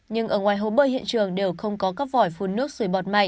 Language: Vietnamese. nhưng ở ngoài hồ bơi hiện trường đều không có các vòi phun nước suối bọt mạnh